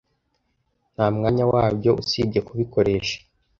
Ntamwanya wabyo, usibye kubikoresha